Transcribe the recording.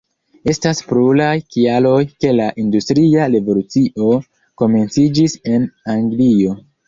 Estas pluraj kialoj, ke la industria revolucio komenciĝis en Anglio.